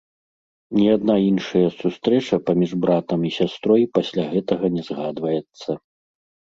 Ні адна іншая сустрэча паміж братам і сястрой пасля гэтага не згадваецца.